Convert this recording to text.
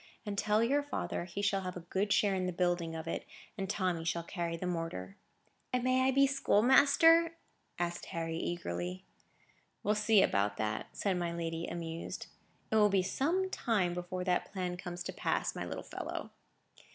And tell your father he shall have a good share in the building of it, and Tommy shall carry the mortar." "And I may be schoolmaster?" asked Harry, eagerly. "We'll see about that," said my lady, amused. "It will be some time before that plan comes to pass, my little fellow."